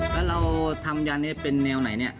แล้วเราทำยันนี้เป็นแนวไหนเนี่ย